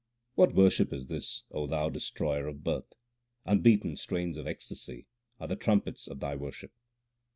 What worship is this, O Thou Destroyer of birth ? Unbeaten strains of ecstasy are the trumpets of Thy worship.